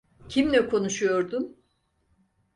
Kimle konuşuyordun?